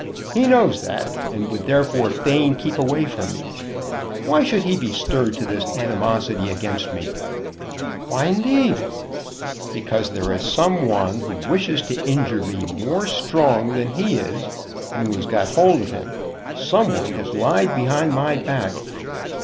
He knows that, and would therefore fain keep away from me. Why should he be stirred to this animosity against me?" "Why indeed?" "Because there is some one who wishes to injure me more strong than he is, and who has got hold of him. Some one has lied behind my back."